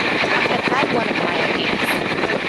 I had had one of my ideas.